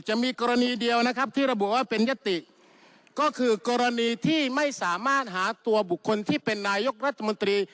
จะมีกรณีเดียวนะครับที่ระบุว่าเป็นยติก็คือกรณีที่ไม่สามารถหาตัวบุคคลที่เป็นนายกรัฐมนตรี